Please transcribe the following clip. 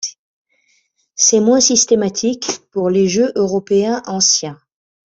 C'est moins systématique pour les jeux européens anciens.